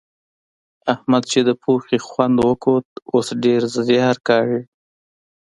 احمد چې د پوهې خوند وکوت؛ اوس ډېر زيار کاږي.